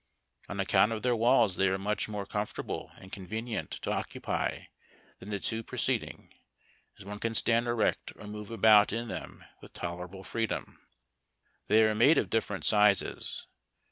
On account of their walls they are much more comfortable and convenient to occupy than the two preced ing, as one can stand erect or move about in them with tol erable freedom. They are made of different sizes.